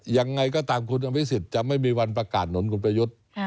อย่างไงก็ตามคุณพิศิษฐ์ก็ไม่มีวันประกาศหนุนพลเอกประยุทธ์